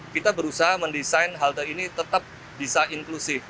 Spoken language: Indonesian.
kita berusaha mendesain halte ini tetap bisa inklusif